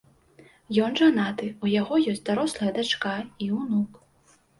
Ён жанаты, у яго ёсць дарослая дачка і ўнук.